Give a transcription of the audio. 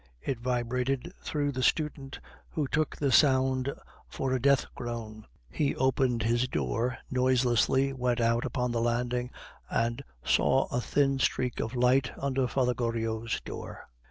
It vibrated through the student, who took the sound for a death groan. He opened his door noiselessly, went out upon the landing, and saw a thin streak of light under Father Goriot's door.